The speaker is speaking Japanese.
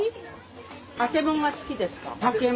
当て物は好きですか？